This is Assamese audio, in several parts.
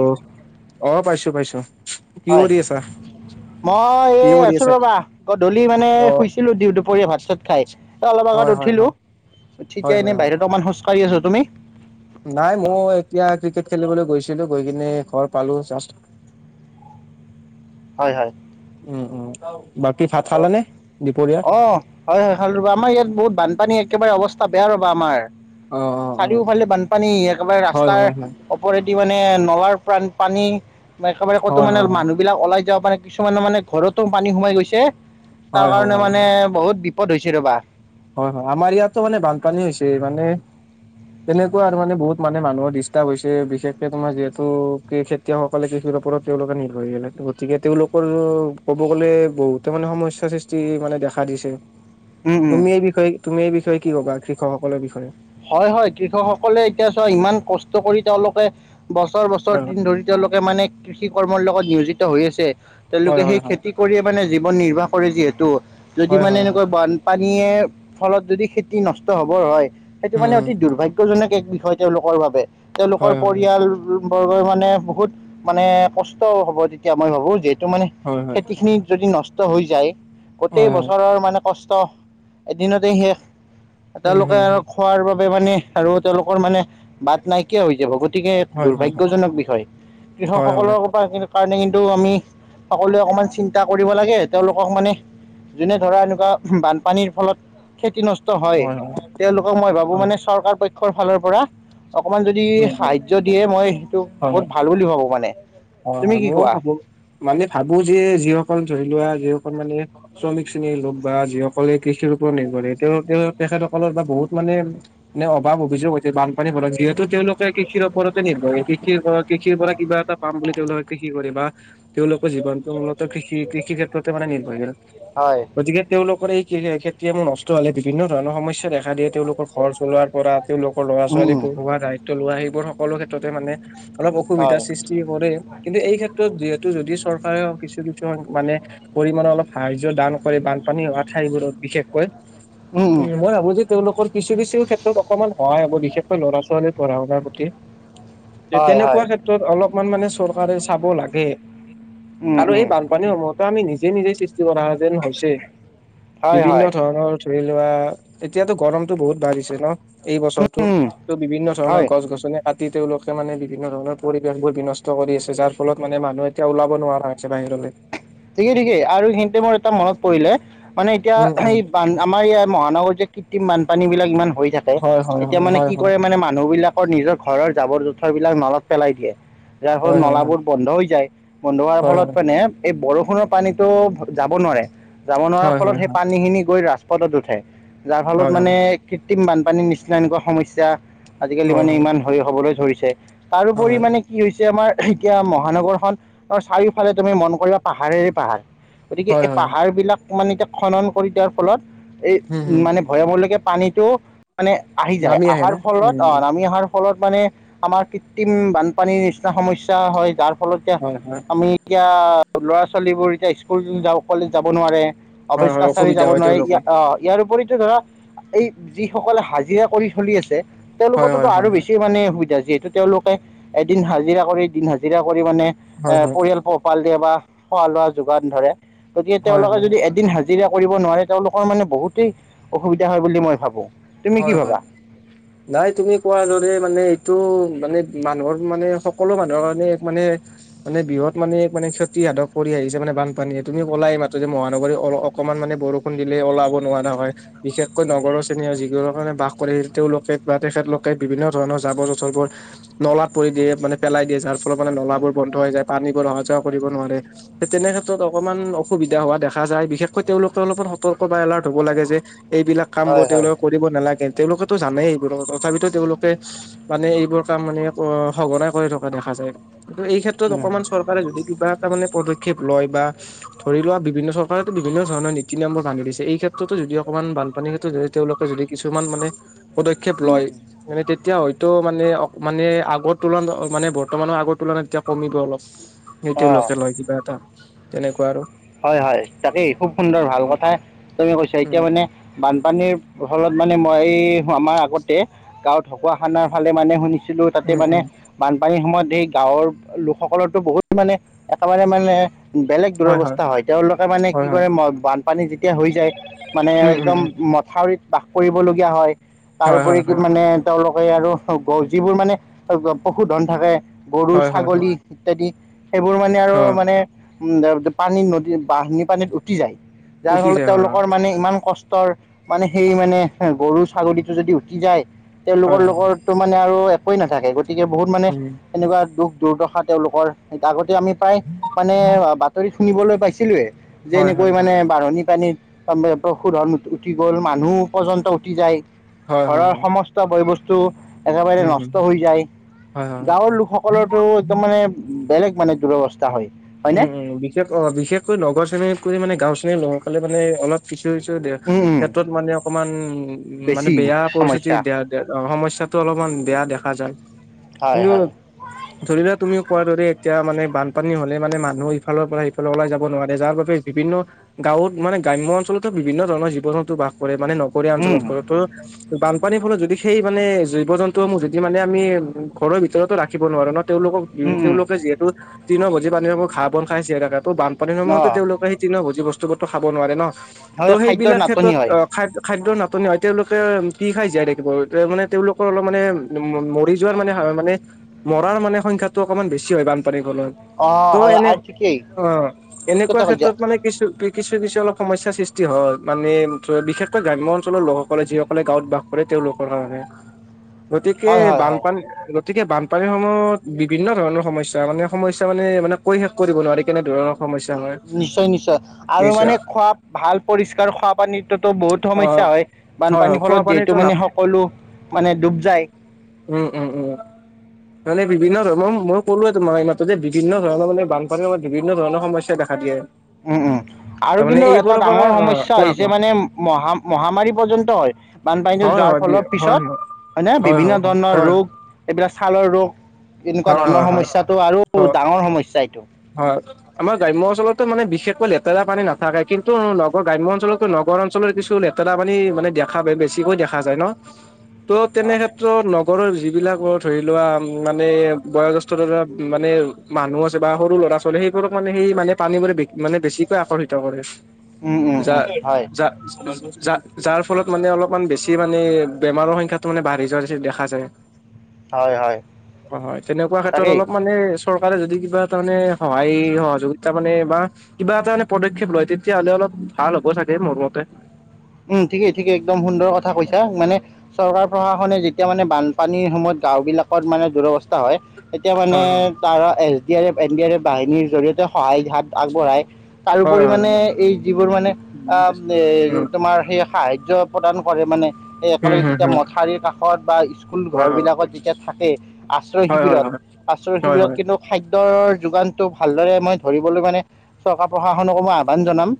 অ অ পাইছো পাইছো কি হয় কৰি আছা মই কি এই কৰি আছো আছা ৰবা গধূলি মানে অ শুইছ উঠিলো দিওঁ দুপৰীয়া ভাত চাত খাই অলপ আগত হয় হয় উঠিলো হয় উঠি হয় কেইনে হয় হয় বাহিৰত অকমান হোজ কাৰি আছো তুমি? নাই মই এতিয়া ক্ৰিকেট খেলিবলে গৈছিলো, গৈ কিনে ঘৰ পালো জাষ্ট হয়। হয়। উম উম বাকী ভাত হেল্ল' খালানে দুপৰীয়াৰ? অঁ হয় হয় খালো ৰবা আমাৰ ইয়াত বহুত বানপানী একেবাৰে অৱস্থা বেয়া ৰবা আমাৰ। অ অ অ চাৰিওফালে বানপানী একেবাৰে হয় ৰাস্তাৰ হয় অপৰেদি মানে নলাৰ প্ৰাণ পানী একেবাৰে কতো হয় মানে হয় হয় মানুহ বিলাক ওলাই যাব পৰা নাই। কিছুমানৰ মানে ঘৰতো পানী সোমাই গৈছে। তাৰ হয় হয় হয় কাৰণে হয় মানে বহুত বিপদ হৈছে ৰ'বা হয়। হয়। আমাৰ ইয়াতো মানে বানপানী হৈছে মানে তেনেকুৱা আৰু মানে বহুত মানে মানুহৰ ডিষ্টাৰ্ব হৈছে বিশেষকে তোমাৰ যিহেতু খেতিয়কসকলে কৃষিৰ ওপৰত তেওঁলোকে নিৰ্ভৰশীলে গতিকে তেওঁলোকৰ ক'ব গ'লে বহুত তো মানে সমস্যাৰ সৃষ্টি মানে দেখা দিছে। উম উম তুমি এই বিষয়ে, তুমি এই বিষয়ে কি ক'বা কৃষকসকলৰ বিষয়ে? হয়-হয়, কৃষকসকলে এতিয়া চোৱা ইমান কষ্ট কৰি তেওঁলোকে বছৰ-বছৰ হয় দিন ধৰি- তেওঁলোকে মানে কৃষি কৰ্মৰ লগত নিয়োজিত হৈ আছে। হয় তেওঁলোকে হয় সেই হয় খেতি- কৰিয়ে মানে জীৱন নিৰ্বাহ কৰে যিহেতু। যদি হয় মানে হয় হয় এনেকুৱা বান- পানীয়ে ফলত যদি খেতি নষ্ট হ'বৰ হয়, সেইটো মানে উম অতি দুৰ্ভাগ্য। সেইকেজনে এক বিষয় তেওঁলোকৰ বাবে। তেওঁলোকৰ হয় হয় পৰিয়াল- বৰ্গৰ মানে বহুত মানে কষ্ট হ'ব তেতিয়া মই ভাবো যে- টো মানে হয় হয় খেতি খিনি যদি নষ্ট হৈ যায় গোটেই হয় বছৰ- হয় ৰ মানে কষ্ট এদিনতেই শেষ। উম তেওঁলোকে হম আৰু- খোৱাৰ বাবে মানে আৰু তেওঁলোকৰ মানে বাট নাই- কিয়া হৈ যাব, গতিকে এক হয় হয় হয় দুৰ্ভাগ্যজনক বিষয়। হয় হয় কৃষকসকলৰ পৰা কিন্তু- কাৰণে কিন্তু আমি সকলোৱে অকণমান চিন্তা কৰিব লাগে। তেওঁলোকক মানে- যেনে ধৰা এনেকুৱা বানপানীৰ ফলত খেতি নষ্ট হয়। তেওঁলোকক মই ভাবো মানে চৰকাৰ পক্ষৰ ফালৰ পৰা- অকণমান যদি উম সাহাৰ্য দিয়ে, মই সেইটো হয় হয় বহুত ভাল বুলি ভাবো মানে। হয় তুমি হয়, কি মইও কোৱা ভাবো। মানে ভাবো যে যিসকল ধৰি লোৱা যিসকল মানে- শ্ৰমিক শ্ৰেণীৰ লোক বা যিসকলে কৃষিৰ ওপৰত নিৰ্ভৰে তেওঁ তেখেতসকলৰ বা বহুত মানে নে অভাৱ অভিযোগ ওঠে। বান পানী হয়। যিহেতু তেওঁলোকে কৃষিৰ ওপৰতে নিৰ্ভৰশীল। কৃষিৰ-কৃষিৰ পৰা কিবা এটা- পাম বুলি তেওঁলোকে কৃষি কৰি বা- তেওঁলোকৰ জীৱনটো মূলত কৃষি-কৃষি ক্ষেত্ৰতে মানে নিৰ্ভৰশীল। হয় গতিকে তেওঁলোকৰ এই- খেতিয়কে নষ্ট হ'লে বিভিন্ন ধৰণৰ সমস্যা দেখা দিয়ে তেওঁলোকৰ ঘৰ চলোৱাৰ পৰা- তেওঁলোকৰ উম, ল'ৰা-ছোৱালী উম, পঢ়া দায়িত্ব লোৱা সেইবোৰ সকলো ক্ষেত্ৰতে মানে অলক অসুবিধা হয় সৃষ্টি- কৰে। কিন্তু এই ক্ষেত্ৰত যিহেতু যদি চৰকাৰেও কিছু-কিছু মানে- পৰিমানৰ অলপ সাহাৰ্য্য দান কৰে। বানপানী অভাৱ হোৱা ঠাইবোৰত বিশেষকৈ উম। মই ভাবো যে- তেওঁলোকৰ কিছু-কিছু ক্ষেত্ৰত অকণমান সহায় হ'ব বিশেষকৈ ল'ৰা-ছোৱালী পঢ়া-শুনাৰ প্ৰতি। হয় হয় তেনেকুৱা ক্ষেত্ৰত অলপমান মানে চৰকাৰে চাব লাগে। উম, আৰু উম, এই বান- পানী সময়তো আমি নিজে-নিজে সৃষ্টি কৰা যেন হৈছে। হয় হয় বিভিন্ন ধৰণৰ- ধৰি লোৱা এতিয়াটো গৰমতটো বহুত বাঢ়িছে ন। এই উম, উম, বছৰটোত বিভিন্ন ধৰণৰ হয়। গছ-গছনি কাটি তেওঁলোকে মানে বিভিন্ন ধৰণৰ পৰিৱেশবোৰ- বিনষ্ট কৰি আছে। যাৰ ফলত মানে মানুহ এতিয়া ওলাব নোৱাৰা হৈছে বাহিৰলৈ। ঠিকেই-ঠিকেই। আৰু এইখিনিতে মোৰ এটা মনত পৰিলে মানে এতিয়া উম উম এই বান আমাৰ এইয়া মহানগৰীৰ যে- কৃত্ৰিম বান-পানী বিলাক ইমান হৈ থাকে। হয় হয় এতিয়া হয় মানে হয় কি কৰে মানে মানুহবিলাক- নিজৰ ঘৰৰ জাবৰ-জোথৰ বিলাক নলাত পেলাই দিয়ে। যাৰ ফলত হয় হয় হয় নলাবোৰ বন্ধ হৈ যায় বন্ধ হোৱাৰ হয় ফলত হয় মানে এই বৰষুণ- বৰষুণৰ পানীতো যাব নোৱাৰে, যাব নোৱাৰাৰ হয় হয় ফলত হয় সেই পানী খিনি গৈ ৰাজপথত উঠে। যাৰ ফলত হয় হয় মানে কৃত্ৰিম বানপানীৰ নিচিনা এনেকুৱা সমস্যা আজিকালি হয় হয় মানে ইমান- হ'বলৈ ধৰিছে। হয় তাৰোপৰি মানে- কি হৈছে আমাৰ এতিয়া মহানগৰখন ত' চাৰিওফালে তুমি মন কৰিবা পাহাৰে পাহাৰ। গতিকে হয় হয় এই হয় পাহাৰ বিলাক মানে এতিয়া খনন কৰি দিয়াৰ ফলত এই হম হম মানে- ভয়ামলৈকে পানীটো মানে আহি যায়, নামি আহে অহাৰ ন ফলত উম উম নামি অহাৰ- ফলত মানে আমাৰ কৃত্ৰিম বানপানীৰ নিচিনা সমস্যা হয়। যাৰ ফলত হয় হয় আমি- এতিয়া ল'ৰ-ছোৱালীবোৰ এতিয়া স্কুল যাওঁ বুলি ক'লে যাব নোৱাৰে। হয় হয় অফিচ-কাছাৰি অসুবিধা যাব হয় নোৱাৰি। তেওঁলোকৰ ইয়াৰ উপৰিতো ধৰা এই যি সকলে হাজিৰা কৰি চলি আছে হয় তেওঁলোকোতো হয় আৰু হয় হয় বেছি মানে সুবিধা যিহেতু। তেওঁলোকে এদিন হাজিৰা কৰি দিন হাজিৰা কৰি মানে এ হয় হয় পৰিয়াল পোহপাল দিয়ে বা খোৱা লোৱা যোগান ধৰে গতিকে হয় হয় তেওঁলোকে হয় যদি এদিন হা জিৰা কৰিব নোৱাৰে তেওঁলোকৰ মানে বহুতেই অসুবিধা হয় বুলি মই ভাবো। হয় হয়। নাই তুমি কোৱাৰ দৰে মানে এইটো মানে মানুহৰ মানে সকলো মানুহৰ কাৰণে এক মানে মানে বৃহত মানে মানে ক্ষতি সাধক কৰি আহিছে মানে বানপানীয়ে তুমি ক'লাই এই মাত্ৰ যে মহানগৰীৰ অল অক অকণমান মানে বৰষুণ দিলে ওলাব নোৱাৰা হয় বিশেষকৈ নগৰৰ শ্ৰেণীৰ যি সকলে বাস কৰে তেওঁলোকে বা তেখেতলোকে বিভিন্ন ধৰণৰ জাবৰ জোথৰবোৰ নলাত পৰি দিয়ে মানে পেলাই দিয়ে যাৰ ফলত মানে উম নলাবোৰ বন্ধ হৈ যায় পানীবোৰ অহা যোৱা কৰিব নোৱাৰে। তেনেক্ষেত্ৰত অকমান অসুবিধা হোৱা দেখা যায়। বিশেষকৈ তেওঁলোকে অলপমান সতৰ্ক বা এলাৰ্ট হব লাগে যে এইবিলাক কাম বোৰ হয় হয় তেওঁলোকে কৰিব নালাগে তেওঁলোকেতো জানেই এইবোৰত তথাপিতো তেওঁলোকে মানে এইবোৰ কাম মানে এ সঘনাই কৰি থকা দেখা যায় কিন্তু এই ক্ষেত্ৰত অকমান চৰকাৰে যদি কিবা এটা মানে পদক্ষেপ লয় বা ধৰি লোৱা বিভিন্ন চৰকাৰেটো বিভিন্ন ধৰণৰ নীতি নিয়ম বান্ধি দিছে, এই ক্ষেত্ৰতো যদি অকণমান বানপানীৰ ক্ষেত্ৰতো যদি তেওঁলো কে যদি কিছুমান মানে পদক্ষেপ লয়। মানে তেতিয়া হয়তো মানে অ মানে আগৰ তুলনাত মানে বৰ্তমানৰ আগৰ তুলনাত এতিয়া কমিব অলপ। যদি অঁ তেওঁলোকে লয় কিবা এটা তেনেকুৱা আৰু। হয় হয় তাকেই খুব সুন্দৰ ভাল উম কথাই তুমি কৈছা। এতিয়া উম মানে বানপানীৰ ফলত মানে মই এই আমাৰ আগতে গাঁৱত ঢকুৱা খানাৰ ফালে মানে শুনিছিলো তাতে উম মানে উম, বানপানীৰ সময়ত সেই গাঁৱৰ লোকসকলৰটো বহুত মানে একেবাৰে মানে বেলেগ দুৰৱস্থা হয়, তেওঁলোকে মানে কি হয় হয় কৰে বানপানী যেতিয়া হৈ যায়। মানে উম উম একদম উম মথাউৰিত বাস কৰিবলগীয়া হয় হয় হয় তাৰপৰি কি হয় মানে তেওঁলোকে আৰু যিবোৰ মানে পশুধন থাকে গৰু, হয় হয় হয় ছাগলী, ইত্যাদি। সেইবোৰ মানে আৰু অ মানে উম পানীত নদী বাঢ়নি পানীত উ টি যায়, যাৰ উটি ফলত যায় হয় হয় তেওঁলোকৰ মানে ইমান ক ষ্ট মানে সেই মানে গৰু ছাগলীটো যদি উটি যায় তেওঁলোকৰ হয় হয় হয় লগত টো মানে আৰু একোৱেই নাথাকে গতিকে বহুত মানে উম এনেকুৱা দুখ দুৰ্দশা তেওঁলোকৰ এ আগতে আমি প্ৰায় মানে বাতৰিত শুনিবলৈ পাইছিলোয়ে যে হয় হয় এনেকৈ হয় মানে বাঢ়নি পানীত পশুধন উটি গ'ল মানুহ পৰ্যন্ত উটি যায়। হয় হয় হয়। চব বয় বস্তু একেবাৰে উম হম নষ্ট হৈ যায়। হয় হয় হয় গাঁৱৰ লোকসকলৰটো একদম মানে বেলেগ মানে দুৰৱস্থা হয়। হয় নে? এতিয়া অ বিশেষকৈ নগৰ শ্ৰেণীত কৈ মানে গাঁওৰ শ্ৰেণীৰ লোকসকলে মানে অলপ কিছু কিছু উম উম ক্ষেত্ৰত মানে অকমান উম মানে বেছি বেয়া পৰিস্থিতি সমস্যা। দা অ সমস্যাটো অলপমান বেয়া দেখা যায়। হয় কিন্তু, হয় ধৰি লোৱা তুমি কোৱাৰ দৰে এতিয়া মানে বানপানী হ'লে মানে মানুহ ইফালৰ পৰা সিফালে ওলাই যাব নোৱাৰে যাৰ বাবে বিভিন্ন গাঁৱত মানে গ্ৰাম্য অঞ্চলতো বিভিন্ন ধৰণৰ জীৱ জন্তু বাস কৰে মানে নগৰীয়া উম, অঞ্চলত কৰে তো বানপানীৰ ফলত যদি সেই মানে জীৱ জন্তুসমূহ যদি মানে আমি ঘৰৰ ভিতৰতো ৰাখিব নোৱাৰো ন। তেওঁলোকক উম, উম, তেওঁলোকে যিহেতু তৃণ ভূজি প্ৰাণী সেইবোৰ ঘাঁহ বন খাই জীয়াই থাকে। ত' বানপানীৰ অ, সময়তো তেওঁলোকে তৃণ ভুজী বস্তুবোৰো খাব নোৱাৰে ন। ত' হয় খাদ্যৰ সেইবিলাক নাটনি ক্ষেত্ৰত হয়। অ' খা খাদ্যৰ নাটনি হয়, তেওঁলোকে কি খাই জীয়াই থাকিব মানে তেওঁলোকৰ অলপ মানে মৰি যোৱাৰ মানে মানে মৰাৰ মানে সংখ্যাটো অকণমান বেছি হয় বানপানীৰ ফলত। অ ত' হয় এনে আৰু ঠিকেই অঁ ঠিক এনেকুৱা কথা কৈছা ক্ষেত্ৰত মানে কিছু কিছু কিছু অলপ সমস্যা সৃষ্টি হয়, মানে বিশেষকৈ গ্ৰাম্য অঞ্চলৰ লোকসকলে যিসকলে গাঁৱত বাস কৰে তেওঁলোকৰ কাৰণে। [inaudible] গতিকে, হয় হয় বানপানী, গতিকে বানপানীৰ সময়ত বিভিন্ন ধৰণৰ সমস্যা মানে সমস্যা মানে মানে কৈ কৰিব নোৱাৰি কেনেধৰণৰ সমস্যা হয় নিশ্চয় নিশ্চয়, আৰু নিশ্চয় মানে খোৱা ভাল পৰিষ্কাৰ খোৱো পানীটোতো বহুত অ' সমস্যা হয়, হয় হয় বানপানীৰ খোৱা ফলত পানীতো যিহেতু নাপ মানে সকলো মানে ডুব যায়। উম, উম, উম। মানে বিভিন্ন ধৰণৰ, মই ক'লোৱে তোমাক যে বিভিন্ন ধৰণৰ মানে বানপানীৰ সমত বিভিন্ন ধৰণৰ সমস্যা দেখা দিয়ে। উম উম, আৰু তাৰমানে কিন্তু এটা এইবোৰৰ পৰা ডাঙৰ অ সমস্যা কোৱা হৈছে কোৱা মানে মহা মহামাৰী পৰ্যন্ত হয়, বানপানীটো হয় যোৱাৰ ফলৰ হয় হয় পিছত হয়নে, হয় হয় বিভিন্ন হয় ধৰণৰ হয় ৰোগ এইবিলাক ছালৰ ৰোগ, এনেকুৱা হয় হয় ধৰণৰ সমস্যাতো আৰু হয় ডাঙৰ সমস্যা এইটো। হয়। আমাৰ গ্ৰাম্য অঞ্চলতো মানে বিশেষকৈ লেতেৰা পানী নাথাকে, কিন্তু নগৰ গ্ৰাম্য অঞ্চলতো নগৰ অঞ্চলৰ কিছো লেতেৰা লেতেৰা পানী মানে দেখা পায়, বেছিকৈ দেখা যায় ন। [inaudible] ত' অ তেনে ক্ষেত্ৰত ত নগৰৰ যিবিলাক ধৰি লোৱা মানে বয়োজেষ্ঠ ধৰা মানে, মানুহ আছে বা সৰু ল'ৰা ছোৱালী, সেইবোৰক মানে সেই মানে পানীবোৰে মানে বেছিকৈ আকৰ্ষিত কৰে। উম উম যা, উম হয় যা যা, যাৰ ফলত মানে অলপমান বেছি মানে বেমাৰৰ সংখ্যাটো মানে বাঢ়ি যোৱা দেখা যায়। [inaudible] হয় হয়, তেনেকুৱা ক্ষেত্ৰত তাকেই অলপ মানে চৰকাৰে যদি কিবা তাৰ মানে সহায় সহযোগিতা মানে বা কিবা এটা পদক্ষেপ লয়, তেতিয়াহ'লে অলপ ভাল হ'ব চাগে মোৰ মতে। উম, ঠিকেই ঠিকেই, একদম সুন্দৰ কথা কৈছা, মানে চৰকাৰ প্ৰশাসনে যেতিয়া মানে বানপানীৰ সময়ত, গাওঁ বিলাকত মানে দুৰৱস্থা হয় এতিয়া মানে হয় হয় তাৰ S D R F, N D R F বাহিনীৰ জৰিয়তে সহায় হাত আগবঢ়াই। তাৰ হয় উপৰি হয় মানে হয় এই যিবোৰ মানে, ঠিক আছে। অ', এ উম আমাৰ সেই সাহায্য প্ৰদান কৰে মানে সেই উম একেলগে হুম যেতিয়া হুম মথাউৰি কাষত বা স্কুল হয় ঘৰ হয় বিলাকত, যেতিয়া থাকে আশ্ৰয় হয় শিবিৰত হয় আশ্ৰয় হয় হয় শিবিৰত কিন্তু খাদ্যৰ যোগানতটো ভালদৰে মই ধৰিবলৈ মানে, চৰকাৰ প্ৰশাসনকো মই আহ্বান জনাম।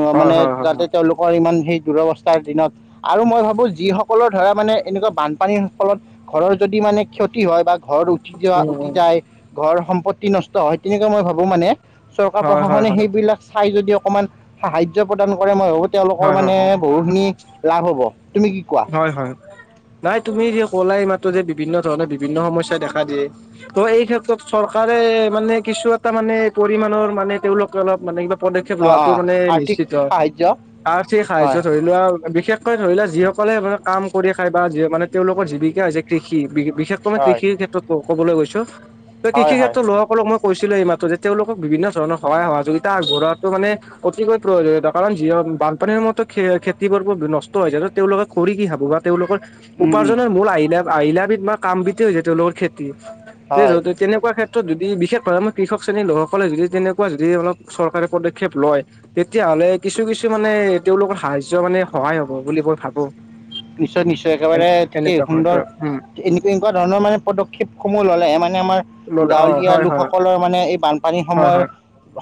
অ' হয় মানে হয় হয় হয় যাতে হয় তেওঁলোকৰ ইমান সেই দুৰৱস্থাৰ দিনত, আৰু মই ভাবো যিসকলৰ ধাৰা মানে এনেকুৱা বানপানীৰ ফলত ঘৰৰ যদি মানে ক্ষতি হয় বা ঘৰ কেতিয়াবা উম উটি উম যায়, ঘৰ সম্পত্তি নষ্ট হয়, তেনেকৈ মই ভাবোঁ মানে চৰকাৰ হয় হয় প্ৰশাসনে হয় হয় সেইবিলাক চাই যদি অকমান, সাহা্য প্ৰদান কৰে মই ভাবো তেওঁলোক হয় মানে বহুত খিনি, লাভ হ'ব, তুমি কি কোৱা? হয় হয় হয়, নাই তুমি যে কলা এই মাত্ৰ যে বিভিন্ন ধৰণৰ বিভিন্ন সমস্যা দেখা দিয়ে তো' এই ক্ষেত্ৰত চৰকাৰে, মানে কিছু এটা মানে পৰিমানণৰ মানে তেওঁলোকে অলপ মানে কিবা পদক্ষেপ অঁ লোৱাটো অঁ মানে আৰ্থিক নিশ্চিত, সাহাৰ্য আৰ্থিক সাহাৰ্য হয় ধৰি লোৱা বিশেষকৈ ধৰি লোৱা যিসকল সকলে মানে কাম কৰি খাই বা মানে যি তেওঁলোকৰ জীৱিকা হৈছে, কৃষি বিশেষকৈ মানে হয় কৃষিৰ ক্ষেত্ৰত ক'বলৈ গৈছো, তো কৃষি হয় হয় ক্ষেত্ৰত লক সকলোক মই কৈছিলো এই মাত্ৰ যে তেওঁলোকক বিভিন্ন ধৰণৰ সহায় সহযোগিতা আগবঢ়োৱাটো মানে অতিকৈ প্ৰয়োজনীয়তা কাৰণ যি বানপানীৰ মতে খেতিবোৰ নষ্ট হৈ যায়। তেওঁলোকে কৰি খাব বা তেওঁলোকৰ উপাৰ্জনৰ মূল আহিলা আহিলা বিধ বা কাম বিধ হৈছে তেওঁলোকৰ খে। [inaudible] হয় তেনেকুৱা ক্ষেত্ৰত যদি বিশেষভাৱে মই কৃষক শ্ৰেণীৰ লোকসকলে যদি তেনেকুৱা যদি অলপ চৰকাৰে পদক্ষেপ লয়। তেতিয়া হ'লে কিছু কিছু মানে তেওঁওলোকৰ সাহাৰ্য্য মানে সহায় হব বুলি মই ভাবো। নিশ্চয় নিশ্চয় এ একেবাৰে থিকেই এনেকুৱা হয় ত সুন্দৰ। উম এনেকুৱা এনেকুৱা ধৰণৰ মানে পদক্ষেপসমূহ ললে মানে আমাৰ। ললে অ গাঁৱলীয়া হয় হয় লোকসকলৰ মানে এই বানপানী হয় সময়ৰ হয়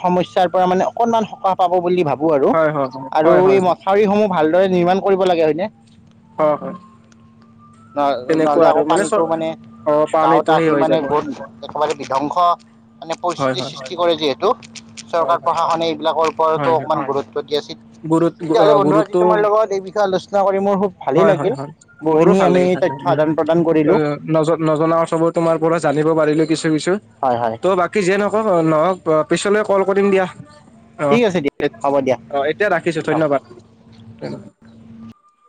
সমস্যয়াৰ পৰা মানে অকনমান সকাহ। পাব বুলি ভাবো আৰু হয় হয় আৰু হয় হয় হয় এই মথাউৰিসমূহ ভালদৰে নিমাণ কৰিব লাগে আৰু ইনে। অ অ। নহ নহ'লে আকৌ পানীটো চব মানে অ গাৱট পানীটো সেই আহি হৈ মানে যাব গত একেবাৰে বিধ্বংস। মানে হয় পৰিস্থিতি হয় সৃষ্টি কৰে যিহেতু হয় চৰকাৰ হয় প্ৰশাসনে এইবিলাকৰ ওপৰতো হয় হয় অকমান গুৰুত্ব দিয়া। গুৰুত তেতিয়াহ'লে বন্ধু আজি গুৰুতো তোমাৰ লগত এই বিষয়ে আলোচনা কৰি ম হু। ভালেই হয় হয় লাগিল হয় বহু খিনি আমি তথ্য আদান প্ৰদান কৰিলো। ন নজনা কথাবোৰ তোমাৰ পৰা জানিব পাৰিলো কিছু কিছু হয় হয় তো' বা। কি যিয়ে নকওঁ নহওক পিছলৈ কল কৰিম দিয়া অ ঠিক আছে দিয়া এত হ'ব দিয়া অ এট। এতিয়া ৰাখিছোঁ হ'ব ধন্যবাদ।